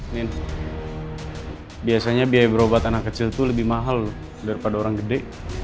ini biasanya biaya berobat anak kecil itu lebih mahal daripada orang gede